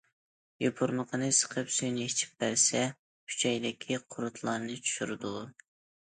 يوپۇرمىقىنى سىقىپ سۈيىنى ئىچىپ بەرسە، ئۈچەيدىكى قۇرتلارنى چۈشۈرىدۇ.